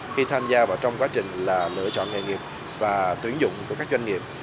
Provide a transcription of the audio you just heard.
khi tham gia vào trong quá trình lựa chọn nghề nghiệp và tuyển dụng của các doanh nghiệp